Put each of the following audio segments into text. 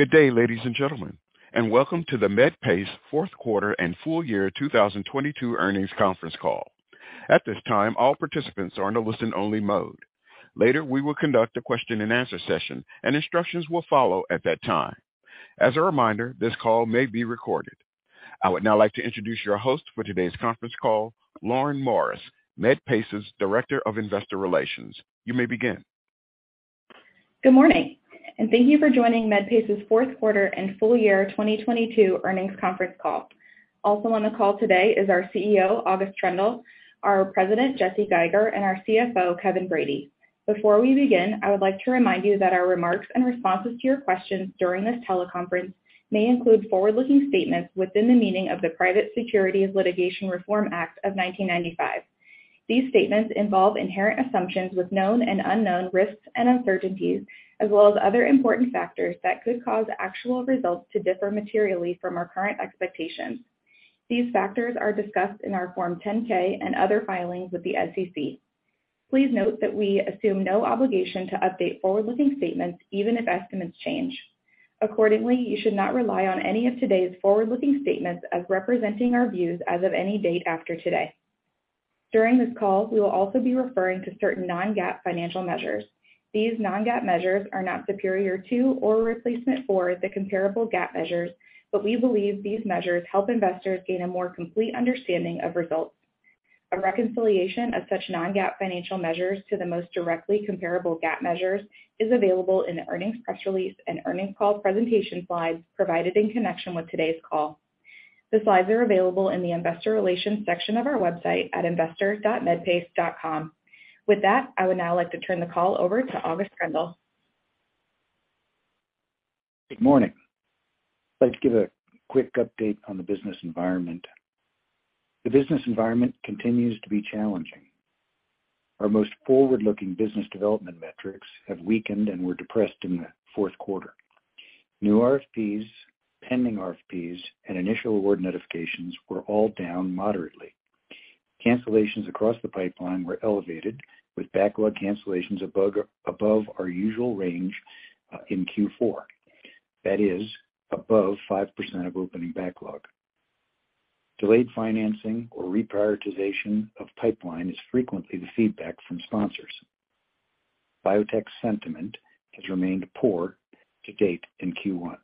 Good day, ladies and gentlemen, and welcome to the Medpace 4th quarter and full year 2022 earnings conference call. At this time, all participants are in a listen-only mode. Later, we will conduct a question-and-answer session, and instructions will follow at that time. As a reminder, this call may be recorded. I would now like to introduce your host for today's conference call, Lauren Morris, Medpace's Director of Investor Relations. You may begin. Good morning, and thank you for joining Medpace's fourth quarter and full year 2022 earnings conference call. On the call today is our CEO, August Troendle; our President, Jesse Geiger; and our CFO, Kevin Brady. Before we begin, I would like to remind you that our remarks and responses to your questions during this teleconference may include forward-looking statements within the meaning of the Private Securities Litigation Reform Act of 1995. These statements involve inherent assumptions with known and unknown risks and uncertainties as well as other important factors that could cause actual results to differ materially from our current expectations. These factors are discussed in our Form 10-K and other filings with the SEC. Please note that we assume no obligation to update forward-looking statements even if estimates change. Accordingly, you should not rely on any of today's forward-looking statements as representing our views as of any date after today. During this call, we will also be referring to certain non-GAAP financial measures. These non-GAAP measures are not superior to or replacement for the comparable GAAP measures, but we believe these measures help investors gain a more complete understanding of results. A reconciliation of such non-GAAP financial measures to the most directly comparable GAAP measures is available in the earnings press release and earnings call presentation slides provided in connection with today's call. The slides are available in the Investor Relations section of our website at investor.medpace.com. With that, I would now like to turn the call over to August Troendle. Good morning. I'd like to give a quick update on the business environment. The business environment continues to be challenging. Our most forward-looking business development metrics have weakened and were depressed in the fourth quarter. New RFPs, pending RFPs, and initial award notifications were all down moderately. Cancellations across the pipeline were elevated, with backlog cancellations above our usual range in Q4. That is, above 5% of opening backlog. Delayed financing or reprioritization of pipeline is frequently the feedback from sponsors. Biotech sentiment has remained poor to date in Q1.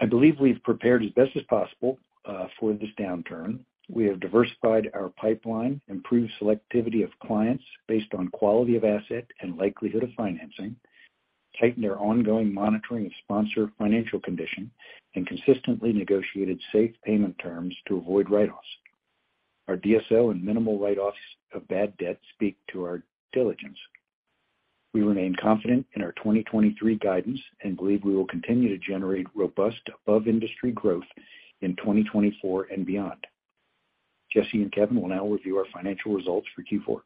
I believe we've prepared as best as possible for this downturn. We have diversified our pipeline, improved selectivity of clients based on quality of asset and likelihood of financing, tightened our ongoing monitoring of sponsor financial condition, and consistently negotiated safe payment terms to avoid write-offs. Our DSO and minimal write-offs of bad debt speak to our diligence. We remain confident in our 2023 guidance and believe we will continue to generate robust above-industry growth in 2024 and beyond. Jesse and Kevin will now review our financial results for Q4.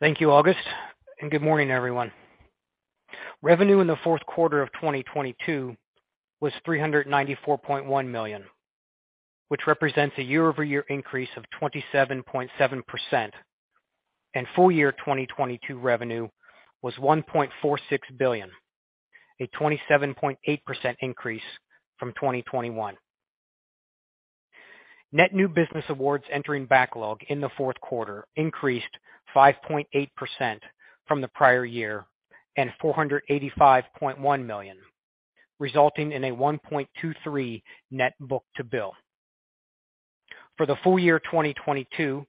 Thank you, August. Good morning, everyone. Revenue in the fourth quarter of 2022 was $394.1 million, which represents a year-over-year increase of 27.7%. Full year 2022 revenue was $1.46 billion, a 27.8% increase from 2021. Net new business awards entering backlog in the fourth quarter increased 5.8% from the prior year and $485.1 million, resulting in a 1.23 net book-to-bill. For the full year 2022,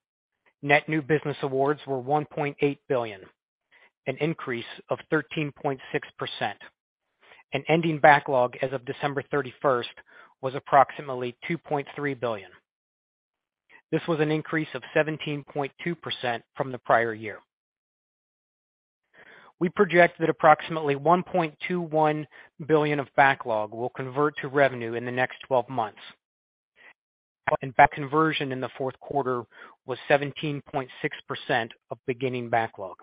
net new business awards were $1.8 billion, an increase of 13.6%, and ending backlog as of December 31st was approximately $2.3 billion. This was an increase of 17.2% from the prior year. We project that approximately $1.21 billion of backlog will convert to revenue in the next 12 months. Backlog conversion in the fourth quarter was 17.6% of beginning backlog.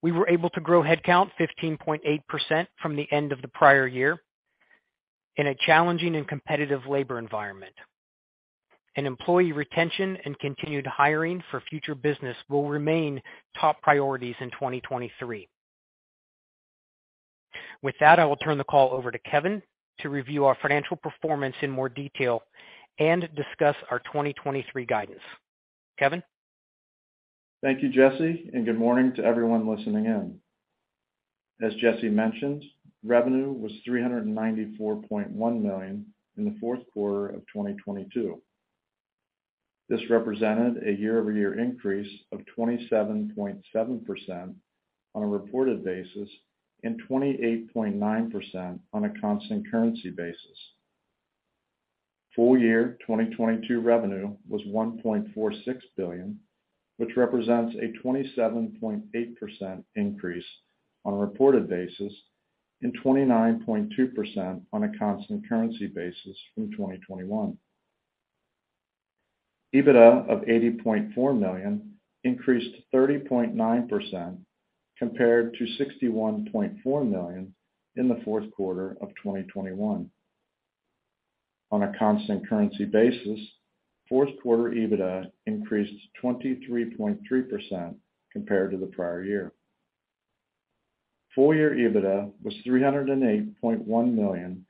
We were able to grow headcount 15.8% from the end of the prior year in a challenging and competitive labor environment. Employee retention and continued hiring for future business will remain top priorities in 2023. With that, I will turn the call over to Kevin to review our financial performance in more detail and discuss our 2023 guidance. Kevin. Thank you, Jesse. Good morning to everyone listening in. As Jesse mentioned, revenue was $394.1 million in the fourth quarter of 2022. This represented a year-over-year increase of 27.7% on a reported basis and 28.9% on a constant currency basis. Full year 2022 revenue was $1.46 billion, which represents a 27.8% increase on a reported basis and 29.2% on a constant currency basis from 2021. EBITDA of $80.4 million increased 30.9% compared to $61.4 million in the fourth quarter of 2021. On a constant currency basis, fourth quarter EBITDA increased 23.3% compared to the prior year. Full year EBITDA was $308.1 million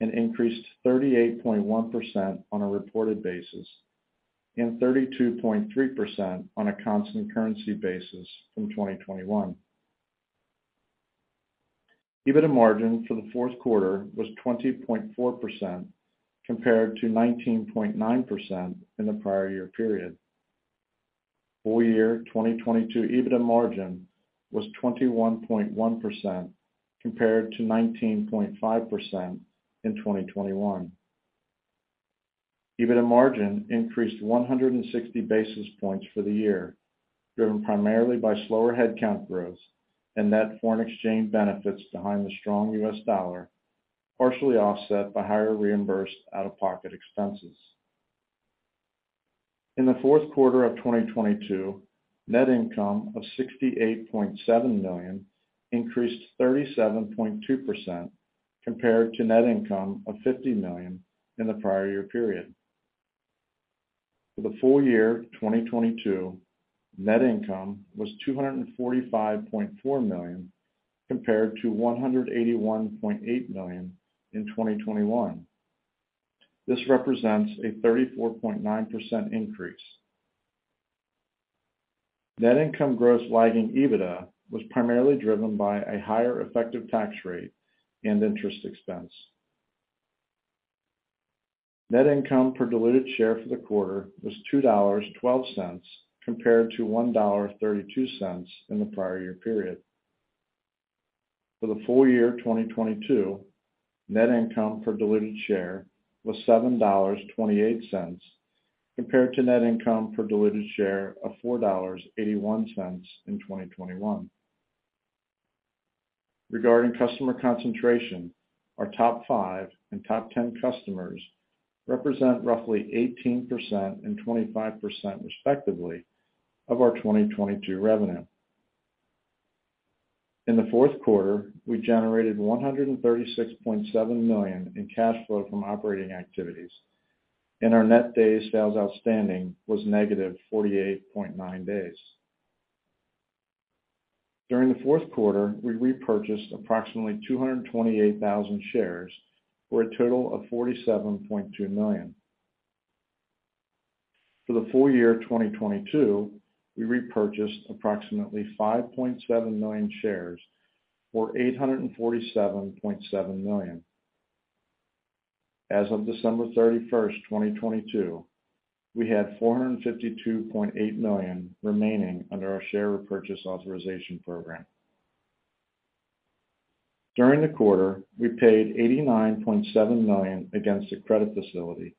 and increased 38.1% on a reported basis and 32.3% on a constant currency basis from 2021. EBITDA margin for the fourth quarter was 20.4% compared to 19.9% in the prior year period. Full year 2022 EBITDA margin was 21.1% compared to 19.5% in 2021. EBITDA margin increased 160 basis points for the year, driven primarily by slower headcount growth and net foreign exchange benefits behind the strong US dollar, partially offset by higher reimbursed out-of-pocket expenses. In the fourth quarter of 2022, net income of $68.7 million increased 37.2% compared to net income of $50 million in the prior year period. For the full year 2022, net income was $245.4 million compared to $181.8 million in 2021. This represents a 34.9% increase. Net income growth lagging EBITDA was primarily driven by a higher effective tax rate and interest expense. Net income per diluted share for the quarter was $2.12 compared to $1.32 in the prior year period. For the full year 2022, net income per diluted share was $7.28 compared to net income per diluted share of $4.81 in 2021. Regarding customer concentration, our top five and top 10 customers represent roughly 18% and 25%, respectively, of our 2022 revenue. In the fourth quarter, we generated $136.7 million in cash flow from operating activities, and our Net Days Sales Outstanding was -48.9 days. During the fourth quarter, we repurchased approximately 228,000 shares for a total of $47.2 million. For the full year 2022, we repurchased approximately 5.7 million shares for $847.7 million. As of December 31, 2022, we had $452.8 million remaining under our share repurchase authorization program. During the quarter, we paid $89.7 million against the credit facility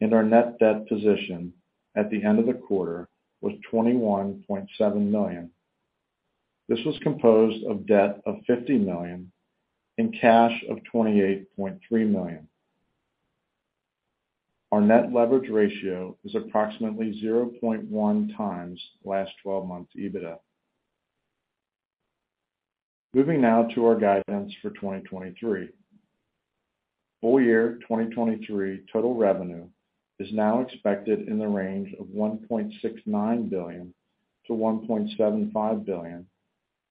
and our net debt position at the end of the quarter was $21.7 million. This was composed of debt of $50 million and cash of $28.3 million. Our net leverage ratio is approximately 0.1x last twelve months EBITDA. Moving now to our guidance for 2023. Full year 2023 total revenue is now expected in the range of $1.69 billion-$1.75 billion,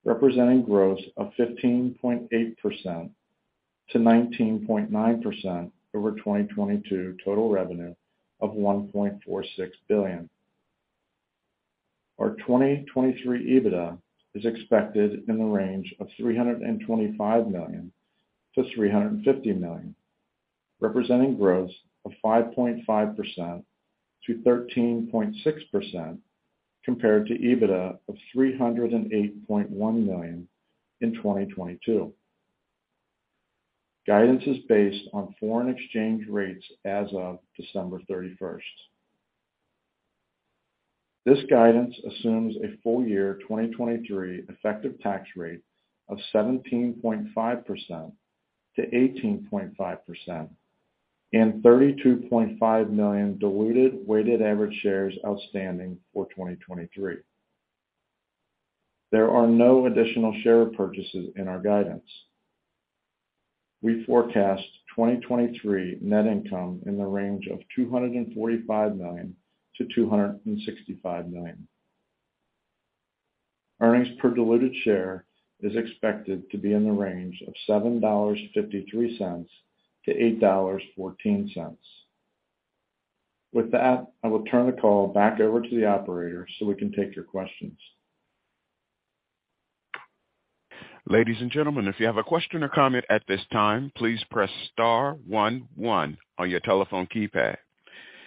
representing growth of 15.8%-19.9% over 2022 total revenue of $1.46 billion. Our 2023 EBITDA is expected in the range of $325 million-$350 million, representing growth of 5.5%-13.6% compared to EBITDA of $308.1 million in 2022. Guidance is based on foreign exchange rates as of December 31st. This guidance assumes a full year 2023 effective tax rate of 17.5%-18.5% and 32.5 million diluted weighted average shares outstanding for 2023. There are no additional share purchases in our guidance. We forecast 2023 net income in the range of $245 million-$265 million. Earnings per diluted share is expected to be in the range of $7.53-$8.14. I will turn the call back over to the operator, so we can take your questions. Ladies and gentlemen, if you have a question or comment at this time, please press star one one on your telephone keypad.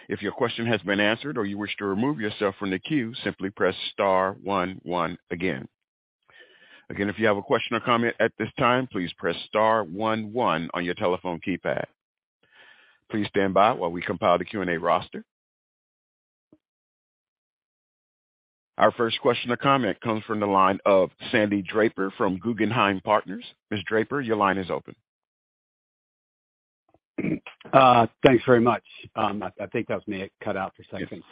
If your question has been answered or you wish to remove yourself from the queue, simply press star one one again. Again, if you have a question or comment at this time, please press star one one on your telephone keypad. Please stand by while we compile the Q&A roster. Our first question or comment comes from the line of Sandy Draper from Guggenheim Partners. Ms. Draper, your line is open. Thanks very much. I think that was me. It cut out for a second.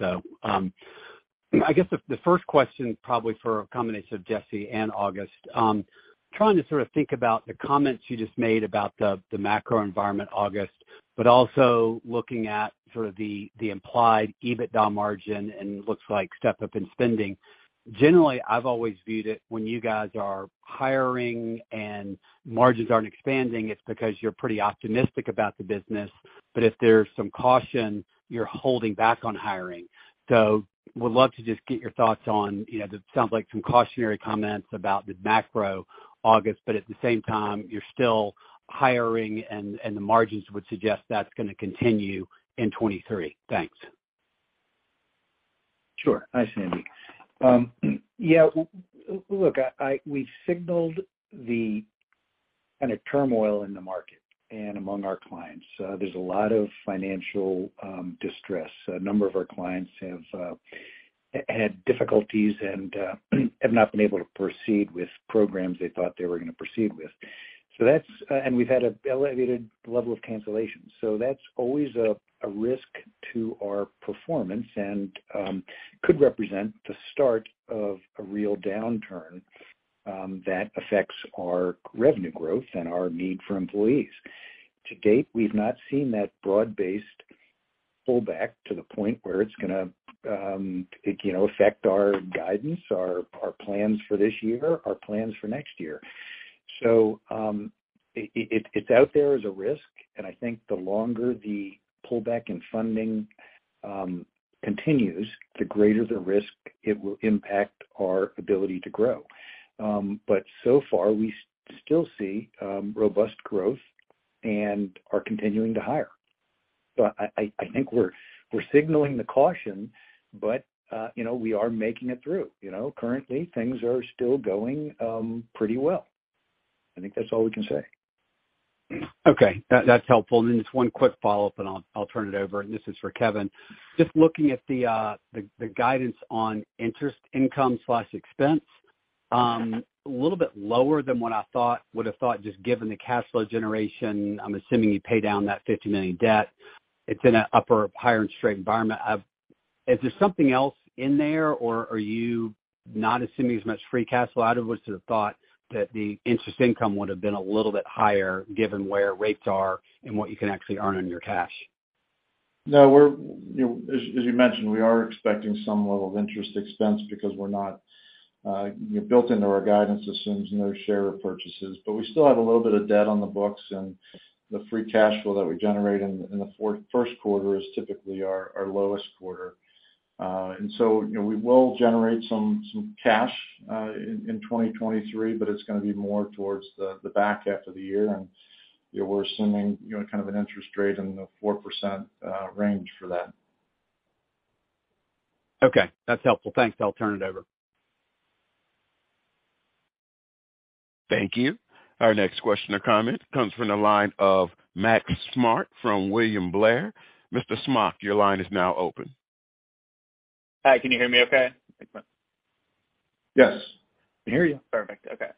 I guess the first question probably for a combination of Jesse and August. Trying to sort of think about the comments you just made about the macro environment, August, but also looking at sort of the implied EBITDA margin and looks like step-up in spending. Generally, I've always viewed it when you guys are hiring and margins aren't expanding, it's because you're pretty optimistic about the business. If there's some caution, you're holding back on hiring. Would love to just get your thoughts on, you know, it sounds like some cautionary comments about the macro, August, but at the same time, you're still hiring and the margins would suggest that's gonna continue in 2023. Thanks. Sure. Thanks, Sandy. Yeah, look, I, we signaled the kind of turmoil in the market and among our clients. There's a lot of financial distress. A number of our clients have had difficulties and have not been able to proceed with programs they thought they were gonna proceed with. We've had an elevated level of cancellations. That's always a risk to our performance and could represent the start of a real downturn that affects our revenue growth and our need for employees. To date, we've not seen that broad-based pullback to the point where it's gonna, you know, affect our guidance, our plans for this year, our plans for next year. It's out there as a risk, and I think the longer the pullback in funding continues, the greater the risk it will impact our ability to grow. So far, we still see robust growth and are continuing to hire. I think we're signaling the caution, but, you know, we are making it through. Currently, things are still going pretty well. I think that's all we can say. Okay. That's helpful. Just one quick follow-up, I'll turn it over. This is for Kevin. Just looking at the guidance on interest income/expense, a little bit lower than what I would have thought just given the cash flow generation. I'm assuming you pay down that $50 million debt. It's in an upper higher interest rate environment. Is there something else in there, or are you not assuming as much free cash flow? I would have sort of thought that the interest income would have been a little bit higher given where rates are and what you can actually earn on your cash. No. We're, you know, as you mentioned, we are expecting some level of interest expense because we're not, you know, built into our guidance assumes no share repurchases. We still have a little bit of debt on the books, and the free cash flow that we generate in the first quarter is typically our lowest quarter. You know, we will generate some cash in 2023, but it's gonna be more towards the back half of the year. You know, we're assuming, you know, kind of an interest rate in the 4% range for that. Okay. That's helpful. Thanks. I'll turn it over. Thank you. Our next question or comment comes from the line of Max Smock from William Blair. Mr. Smock, your line is now open. Hi, can you hear me okay? Thanks much. Yes. We hear you. Perfect. Okay.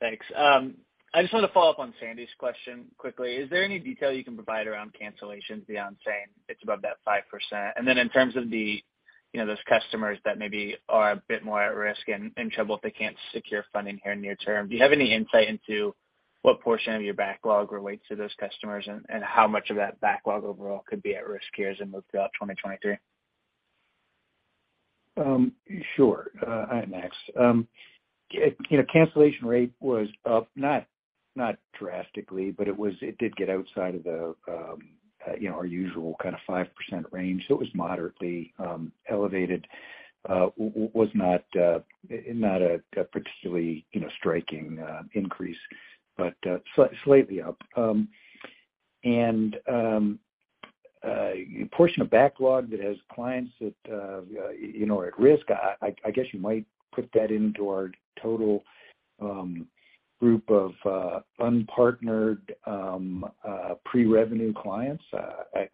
Thanks. I just wanted to follow up on Sandy's question quickly. Is there any detail you can provide around cancellations beyond saying it's above that 5%? In terms of the, you know, those customers that maybe are a bit more at risk and in trouble if they can't secure funding here near term, do you have any insight into what portion of your backlog relates to those customers and how much of that backlog overall could be at risk here as it moves throughout 2023? Sure. Hi Max. You know, cancellation rate was up, not drastically, but it did get outside of the, you know, our usual kind of 5% range. It was moderately elevated. Was not a particularly, you know, striking increase, but slightly up. And a portion of backlog that has clients that, you know, are at risk, I guess you might put that into our total group of unpartnered pre-revenue clients.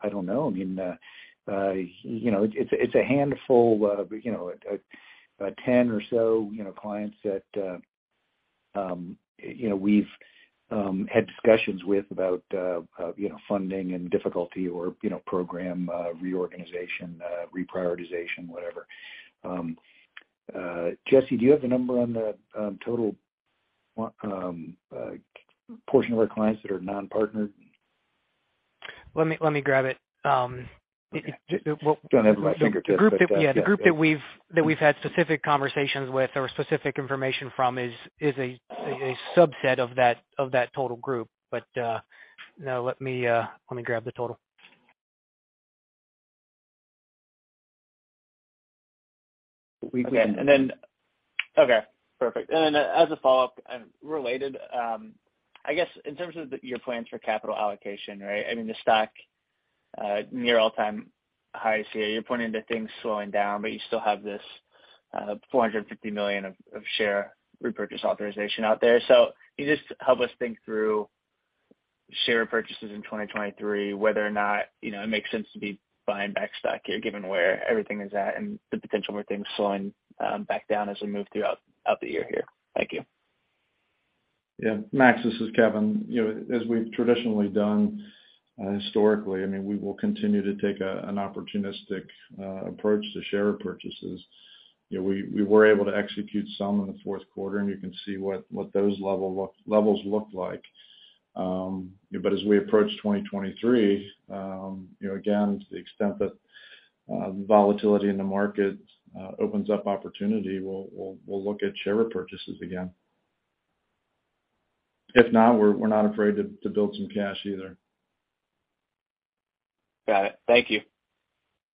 I don't know. I mean, you know, it's a handful of, you know, 10 or so, you know, clients that, you know, we've had discussions with about, you know, funding and difficulty or, you know, program reorganization, reprioritization, whatever. Jesse, do you have the number on the total portion of our clients that are non-partnered? Let me grab it. Okay. Just... Don't have it at my fingertips, but yeah. The group, yeah, the group that we've had specific conversations with or specific information from is a subset of that, of that total group. No, let me, let me grab the total. We can, and then- Okay. Perfect. As a follow-up and related, I guess in terms of your plans for capital allocation, right? I mean, the stock near all-time highs here. You're pointing to things slowing down, but you still have this $450 million of share repurchase authorization out there. Can you just help us think through share repurchases in 2023, whether or not, you know, it makes sense to be buying back stock here given where everything is at and the potential for things slowing back down as we move throughout the year here. Thank you. Yeah, Max, this is Kevin. You know, as we've traditionally done historically, I mean, we will continue to take an opportunistic approach to share purchases. You know, we were able to execute some in the fourth quarter, and you can see what those levels look like. As we approach 2023, you know, again, to the extent that volatility in the market opens up opportunity, we'll look at share repurchases again. If not, we're not afraid to build some cash either. Got it. Thank you.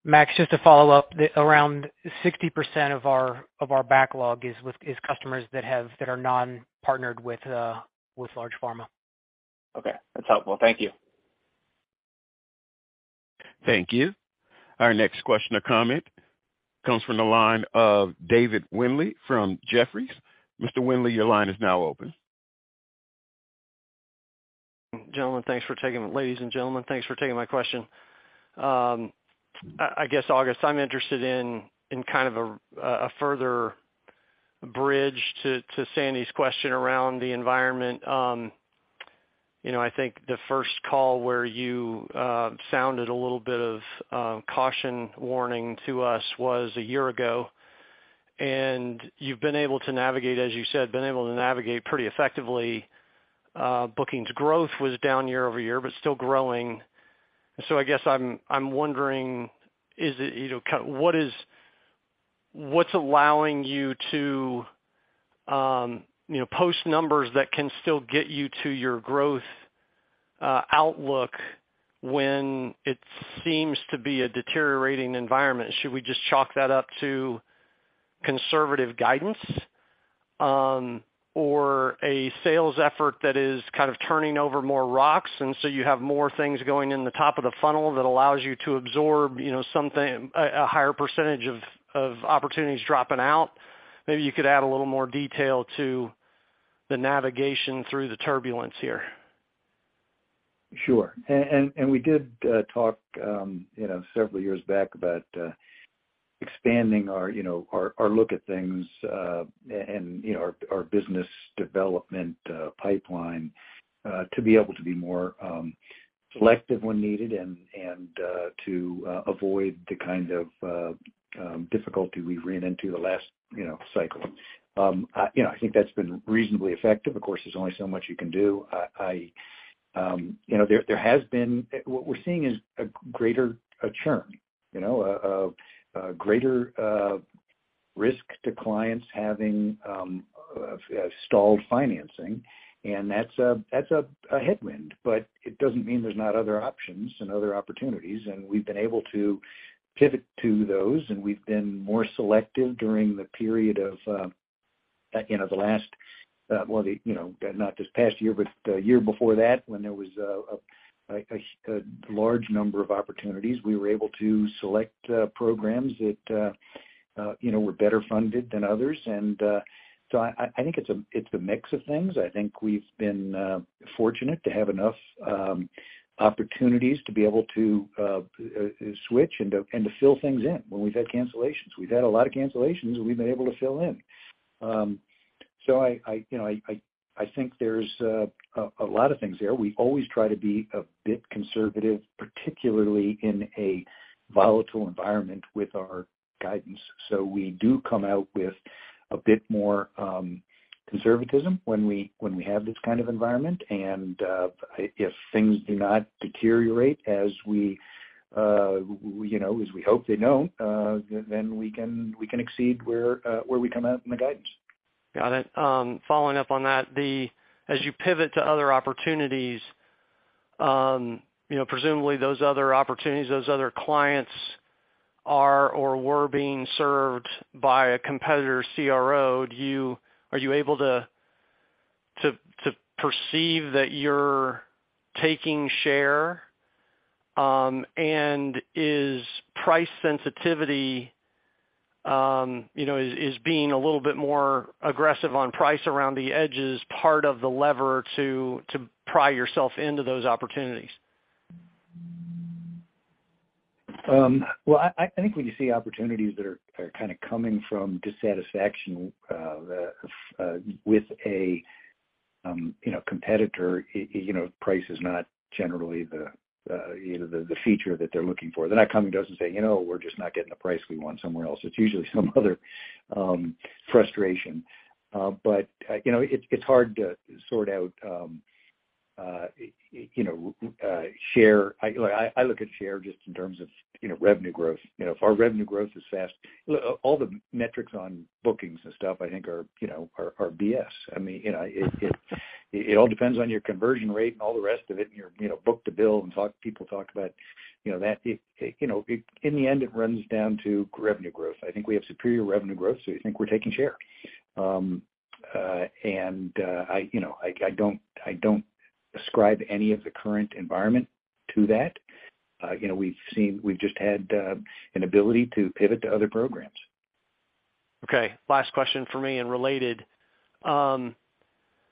Max, just to follow up, around 60% of our backlog is customers that are non-partnered with large pharma. Okay, that's helpful. Thank you. Thank you. Our next question or comment comes from the line of David Windley from Jefferies. Mr. Windley, your line is now open. Gentlemen, thanks for taking... Ladies and gentlemen, thanks for taking my question. I guess, August, I'm interested in kind of a further bridge to Sandy's question around the environment. You know, I think the first call where you sounded a little bit of caution warning to us was a year ago, and you've been able to navigate, as you said, been able to navigate pretty effectively. Bookings growth was down year-over-year, but still growing. I guess I'm wondering, is it, you know, what's allowing you to, you know, post numbers that can still get you to your growth outlook when it seems to be a deteriorating environment? Should we just chalk that up to conservative guidance, or a sales effort that is kind of turning over more rocks, and so you have more things going in the top of the funnel that allows you to absorb, you know, something, a higher percentage of opportunities dropping out? Maybe you could add a little more detail to the navigation through the turbulence here. Sure. We did talk, you know, several years back about expanding our, you know, our look at things, and, you know, our business development pipeline to be able to be more selective when needed and to avoid the kind of difficulty we ran into the last, you know, cycle. You know, I think that's been reasonably effective. Of course, there's only so much you can do. I, you know, what we're seeing is a greater churn, you know, a greater risk to clients having stalled financing, and that's a headwind. It doesn't mean there's not other options and other opportunities, and we've been able to pivot to those, and we've been more selective during the period of, you know, the last, well, you know, not this past year, but the year before that, when there was a large number of opportunities. We were able to select programs that, you know, were better funded than others. I think it's a, it's a mix of things. I think we've been fortunate to have enough opportunities to be able to switch and to, and to fill things in when we've had cancellations. We've had a lot of cancellations we've been able to fill in. I, you know, I think there's a lot of things there. We always try to be a bit conservative, particularly in a volatile environment with our guidance. We do come out with a bit more conservatism when we have this kind of environment. If things do not deteriorate as we, you know, as we hope they don't, then we can exceed where we come out in the guidance. Got it. Following up on that, as you pivot to other opportunities, you know, presumably those other opportunities, those other clients are, or were being served by a competitor CRO, are you able to perceive that you're taking share? And is price sensitivity, you know, being a little bit more aggressive on price around the edges, part of the lever to pry yourself into those opportunities? Well, I think when you see opportunities that are kinda coming from dissatisfaction, with a, you know, competitor, you know, price is not generally the, you know, the feature that they're looking for. They're not coming to us and saying, "You know, we're just not getting the price we want somewhere else." It's usually some other frustration. You know, it's hard to sort out, you know, share. I look at share just in terms of, you know, revenue growth. You know, if our revenue growth is fast... Look, all the metrics on bookings and stuff I think are, you know, are BS. I mean, you know, it, it all depends on your conversion rate and all the rest of it, and your, you know, book-to-bill, and people talk about, you know, that. You know, in the end, it runs down to revenue growth. I think we have superior revenue growth. I think we're taking share. You know, I don't ascribe any of the current environment to that. You know, we've just had an ability to pivot to other programs. Okay. Last question for me and related.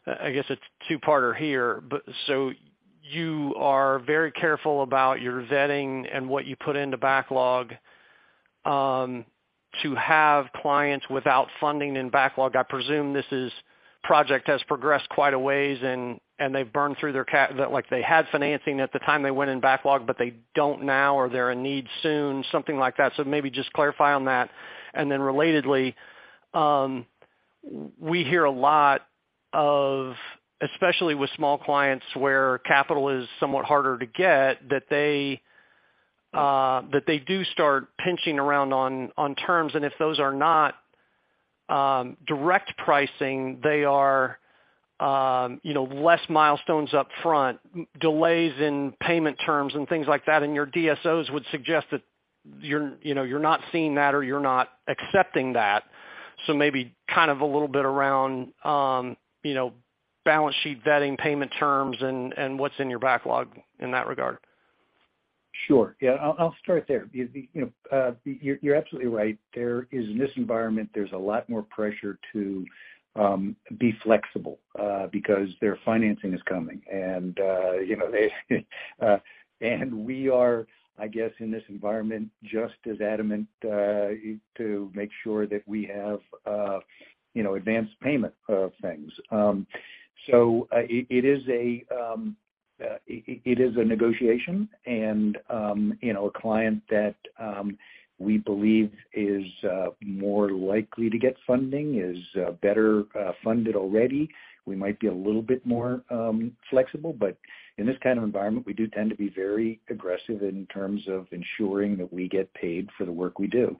I guess it's two-parter here. So you are very careful about your vetting and what you put into backlog. To have clients without funding in backlog, I presume this is project has progressed quite a ways and they've burned through their, like, they had financing at the time they went in backlog, but they don't now, or they're in need soon, something like that. Maybe just clarify on that. Then relatedly, we hear a lot of, especially with small clients where capital is somewhat harder to get, that they do start pinching around on terms. If those are not direct pricing, they are, you know, less milestones up front, delays in payment terms and things like that. Your DSOs would suggest that you're, you know, you're not seeing that or you're not accepting that. Maybe kind of a little bit around, you know, balance sheet vetting, payment terms and what's in your backlog in that regard. Sure. Yeah, I'll start there. You know, you're absolutely right. There is, in this environment, there's a lot more pressure to be flexible because their financing is coming. You know, they and we are, I guess, in this environment, just as adamant to make sure that we have, you know, advanced payment of things. It is a negotiation. You know, a client that we believe is more likely to get funding is better funded already, we might be a little bit more flexible. In this kind of environment, we do tend to be very aggressive in terms of ensuring that we get paid for the work we do.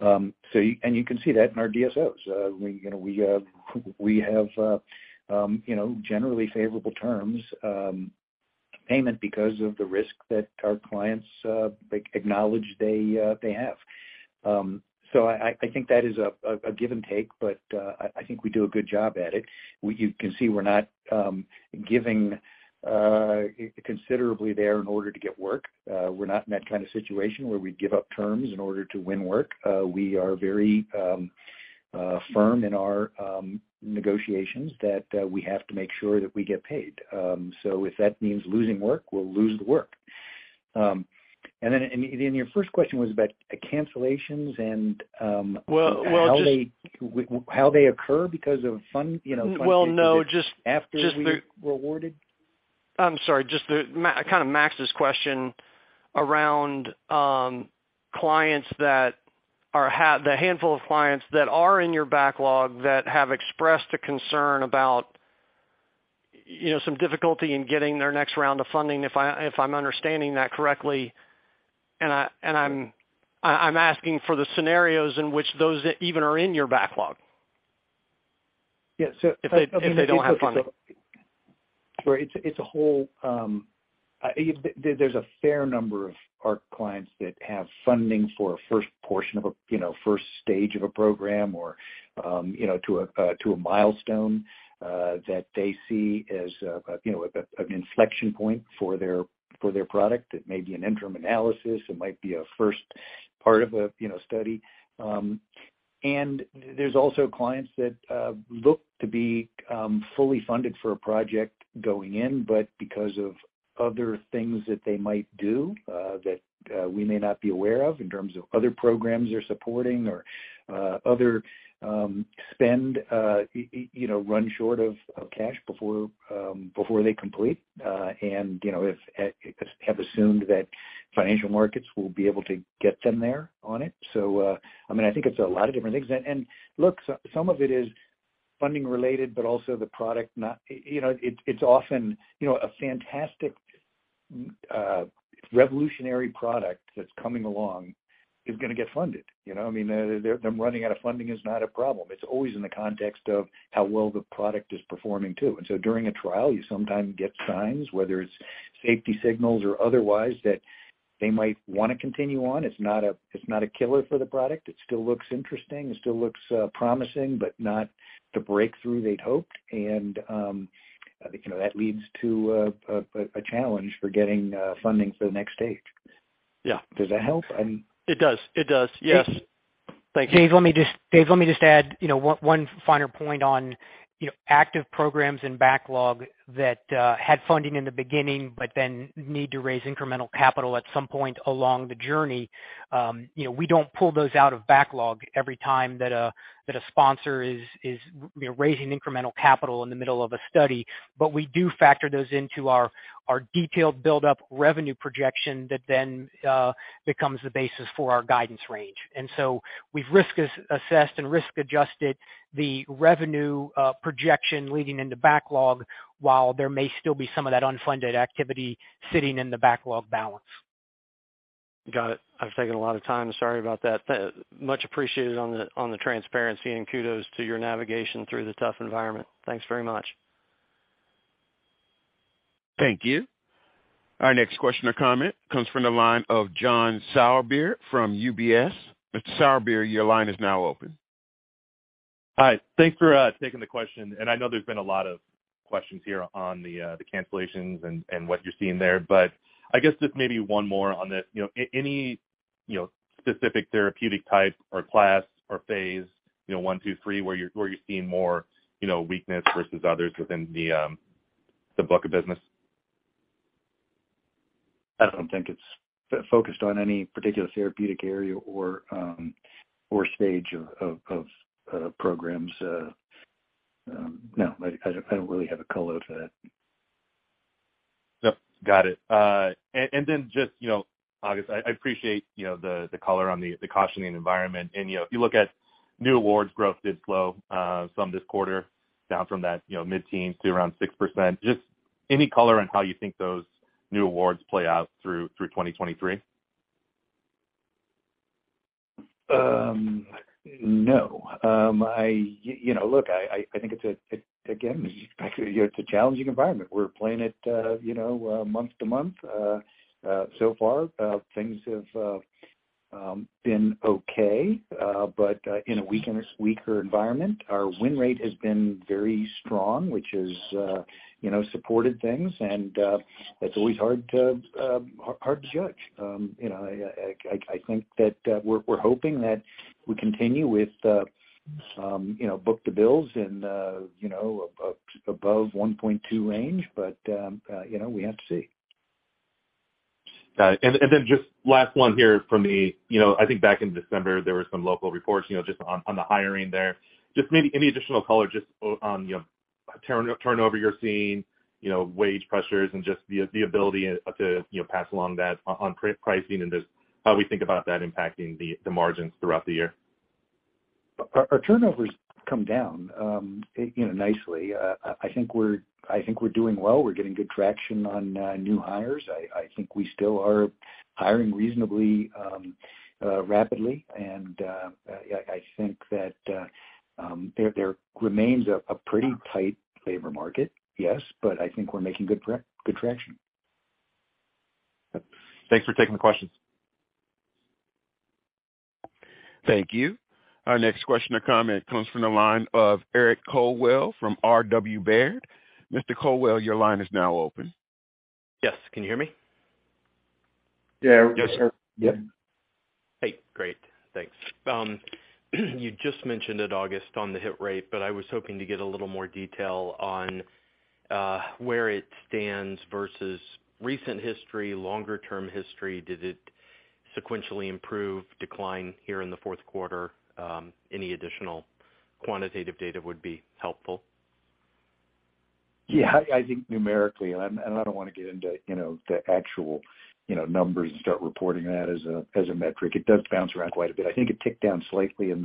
You can see that in our DSOs. We, you know, we have, you know, generally favorable terms payment because of the risk that our clients acknowledge they have. I think that is a give and take, but I think we do a good job at it. You can see we're not giving considerably there in order to get work. We're not in that kind of situation where we give up terms in order to win work. We are very firm in our negotiations that we have to make sure that we get paid. If that means losing work, we'll lose the work. Then your first question was about cancellations and- Well...... how they occur because of fund, you know, funding- Well, no, just...... after we awarded? I'm sorry, just the kind of Max's question around clients that are, the handful of clients that are in your backlog that have expressed a concern about, you know, some difficulty in getting their next round of funding, if I'm understanding that correctly? I'm asking for the scenarios in which those even are in your backlog. Yeah. If they don't have funding. It's a whole, there's a fair number of our clients that have funding for a first portion of a, you know, first stage of a program or, you know, to a milestone that they see as, you know, an inflection point for their, for their product. It may be an interim analysis, it might be a first part of a, you know, study. There's also clients that look to be fully funded for a project going in, but because of other things that they might do that we may not be aware of in terms of other programs they're supporting or other spend, you know, run short of cash before they complete. You know, if have assumed that financial markets will be able to get them there on it. I mean, I think it's a lot of different things. Look, some of it is funding related, but also the product not... You know, it's often, you know, a fantastic revolutionary product that's coming along is gonna get funded. You know, I mean, them running out of funding is not a problem. It's always in the context of how well the product is performing, too. During a trial, you sometimes get signs, whether it's safety signals or otherwise, that they might wanna continue on. It's not a killer for the product. It still looks interesting. It still looks promising, but not the breakthrough they'd hoped. You know, that leads to a challenge for getting funding for the next stage. Yeah. Does that help? I mean... It does. It does. Yes. Dave- Thank you. Dave, let me just add, you know, one finer point on, you know, active programs and backlog that had funding in the beginning but then need to raise incremental capital at some point along the journey. You know, we don't pull those out of backlog every time that a sponsor is, you know, raising incremental capital in the middle of a study. We do factor those into our detailed build-up revenue projection that then becomes the basis for our guidance range. We've risk assessed and risk adjusted the revenue projection leading into backlog, while there may still be some of that unfunded activity sitting in the backlog balance. Got it. I've taken a lot of time. Sorry about that. Much appreciated on the transparency and kudos to your navigation through the tough environment. Thanks very much. Thank you. Our next question or comment comes from the line of John Sourbeer from UBS. Mr. Sourbeer, your line is now open. Hi. Thanks for taking the question. I know there's been a lot of questions here on the cancellations and what you're seeing there, I guess just maybe one more on this. You know, any, you know, specific therapeutic type or class or phase I, II, III, where you're seeing more, you know, weakness versus others within the book of business? I don't think it's focused on any particular therapeutic area or or stage of programs. No, I don't really have a color to that. Yep, got it. And then just, you know, August, I appreciate, you know, the color on the cautioning environment. You know, if you look at new awards growth did slow, some this quarter down from that, you know, mid-teens to around 6%. Just any color on how you think those new awards play out through 2023? No. I, you know, look, I think it's again, back to you, it's a challenging environment. We're playing it, you know, month to month. So far, things have been okay, but in a weaker environment. Our win rate has been very strong, which has, you know, supported things. That's always hard to judge. You know, I think that we're hoping that we continue with some, you know, book-to-bills and, you know, above 1.2 range. You know, we have to see. Got it. Just last one here from me. You know, I think back in December, there were some local reports, you know, just on the hiring there. Just maybe any additional color just on, you know, turnover you're seeing, you know, wage pressures and just the ability, to, you know, pass along that on pricing and just how we think about that impacting the margins throughout the year? Our turnover's come down, you know, nicely. I think we're doing well. We're getting good traction on new hires. I think we still are hiring reasonably rapidly. Yeah, I think that there remains a pretty tight labor market, yes. I think we're making good traction. Thanks for taking the questions. Thank you. Our next question or comment comes from the line of Eric Coldwell from RW Baird. Mr. Coldwell, your line is now open. Yes. Can you hear me? Yeah. Yes, sir. Yeah. Hey. Great. Thanks. You just mentioned it, August, on the hit rate, but I was hoping to get a little more detail on where it stands versus recent history, longer term history. Did it sequentially improve, decline here in the fourth quarter? Any additional quantitative data would be helpful. Yeah, I think numerically, and I don't wanna get into, you know, the actual numbers and start reporting that as a, as a metric. It does bounce around quite a bit. I think it ticked down slightly in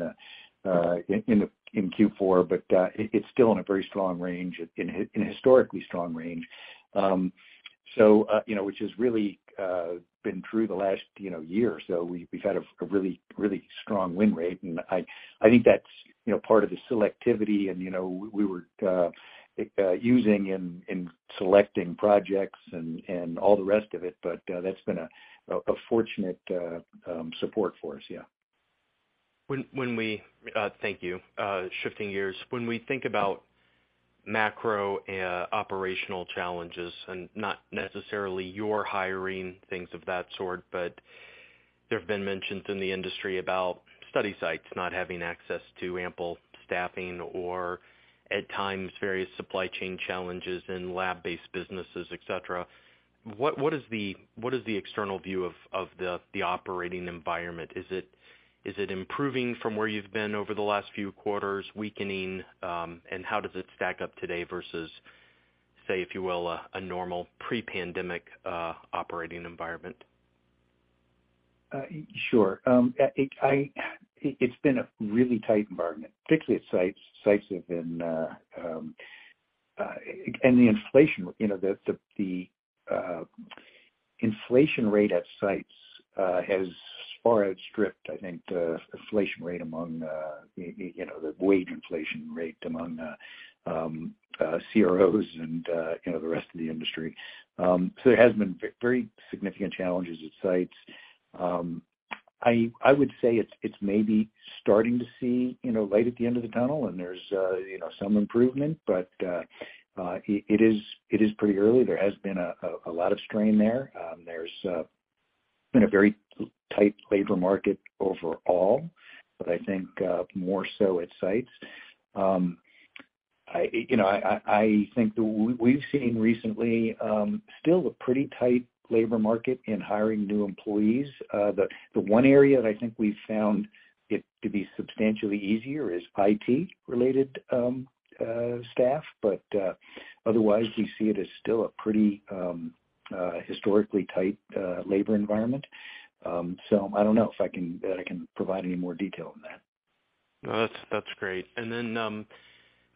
Q4, but it's still in a very strong range, in a historically strong range. You know, which has really been true the last, you know, year or so. We've had a really strong win rate. I think that's, you know, part of the selectivity and, you know, we were using in selecting projects and all the rest of it. That's been a fortunate support for us. Yeah. Thank you. Shifting gears. When we think about macro operational challenges, and not necessarily your hiring, things of that sort, but there have been mentions in the industry about study sites not having access to ample staffing or at times various supply chain challenges in lab-based businesses, et cetera. What is the external view of the operating environment? Is it improving from where you've been over the last few quarters, weakening? How does it stack up today versus, say, if you will, a normal pre-pandemic operating environment? Sure. It's been a really tight environment, particularly at sites. Sites have been, and the inflation, you know, the inflation rate at sites has far outstripped, I think, the inflation rate among CROs and, you know, the rest of the industry. There has been very significant challenges at sites. I would say it's maybe starting to see, you know, light at the end of the tunnel and there's, you know, some improvement, but it is pretty early. There has been a lot of strain there. There's been a very tight labor market overall, but I think more so at sites. I, you know, I think we've seen recently, still a pretty tight labor market in hiring new employees. The one area that I think we've found it to be substantially easier is IT-related staff. Otherwise, we see it as still a pretty historically tight labor environment. I don't know if I can provide any more detail on that. No, that's great.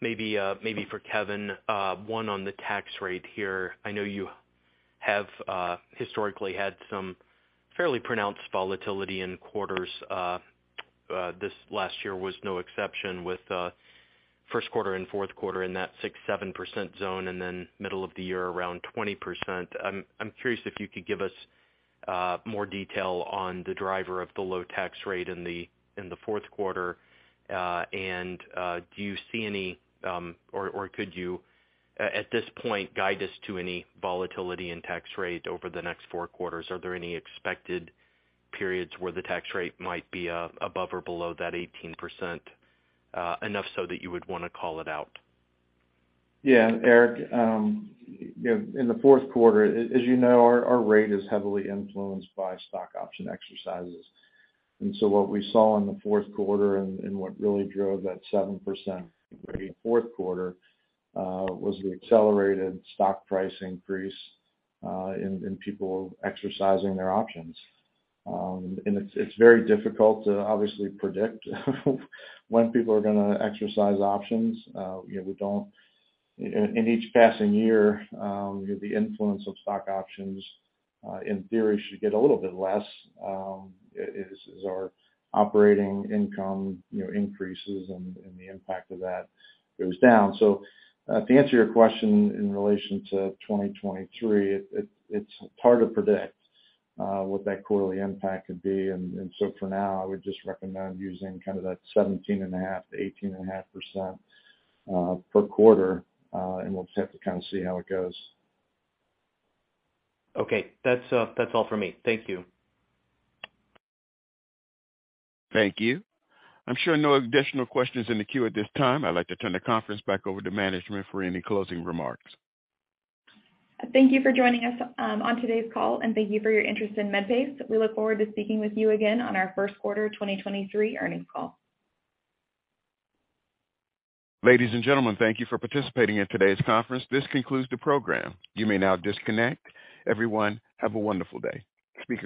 Maybe, maybe for Kevin, one on the tax rate here. I know you have historically had some fairly pronounced volatility in quarters. This last year was no exception with first quarter and fourth quarter in that 6%-7% zone, and then middle of the year around 20%. I'm curious if you could give us more detail on the driver of the low tax rate in the fourth quarter. Do you see any or could you at this point, guide us to any volatility in tax rate over the next four quarters? Are there any expected periods where the tax rate might be above or below that 18%, enough so that you would wanna call it out? Yeah. Eric, you know, in the fourth quarter, as you know, our rate is heavily influenced by stock option exercises. What we saw in the fourth quarter and what really drove that 7% rate in fourth quarter was the accelerated stock price increase in people exercising their options. It's very difficult to obviously predict when people are gonna exercise options. You know, we don't. In each passing year, you know, the influence of stock options, in theory, should get a little bit less as our operating income, you know, increases and the impact of that goes down. To answer your question in relation to 2023, it's hard to predict what that quarterly impact could be. For now, I would just recommend using kind of that 17.5%-18.5% per quarter, and we'll just have to kinda see how it goes. Okay. That's, that's all for me. Thank you. Thank you. I'm showing no additional questions in the queue at this time. I'd like to turn the conference back over to management for any closing remarks. Thank you for joining us on today's call, and thank you for your interest in Medpace. We look forward to speaking with you again on our first quarter 2023 earnings call. Ladies and gentlemen, thank you for participating in today's conference. This concludes the program. You may now disconnect. Everyone, have a wonderful day.